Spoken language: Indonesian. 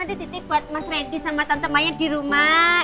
nanti titip buat mas reddy sama teman temannya di rumah